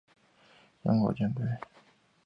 法国舰队开始忙乱地预备迎击英国舰队。